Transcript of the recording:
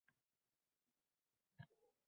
ma’lumot qilib berishsa ko‘rardik asl holatni!